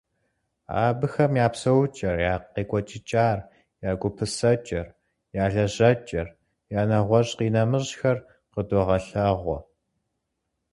Абыхэм я псэукӀэр, я къекӀуэкӀыкӀар, я гупысэкӀэр, я лэжьэкӀэр, нэгъуэщӀ-къинэмыщӀхэр къыдогъэлъэгъуэ.